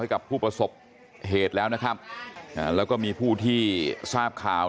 กับผู้ประสบเหตุแล้วนะครับอ่าแล้วก็มีผู้ที่ทราบข่าว